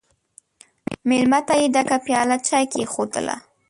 مېلمه ته یې ډکه پیاله چای کښېښودله!